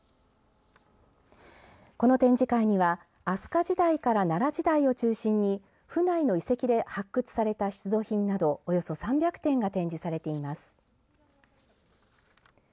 この展示会には飛鳥時代から奈良時代を中心に府内の遺跡で発掘された出土品などおよそ３００点が展示されています。